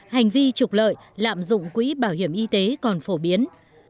hành vi trục lợi lạm dụng quỹ bảo hiểm y tế còn phổ biến